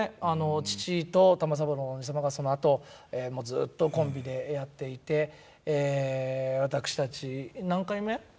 父と玉三郎のおじ様がそのあとずっとコンビでやっていて私たち何回目？